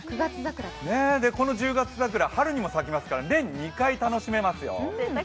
この十月桜、春にも咲きますから年２回楽しめますよ。